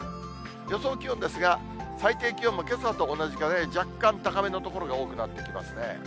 予想気温ですが、最低気温もけさと同じかね、やや若干高めの所が多くなってきますね。